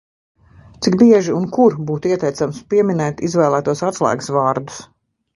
Cik bieži un kur būtu ieteicams pieminēt izvēlētos atslēgas vārdus?